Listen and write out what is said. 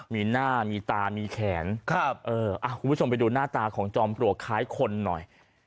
มีหน้ามีตามีแขนคุณผู้ชมไปดูหน้าตาของจอมปลวกคล้ายคนหน่อย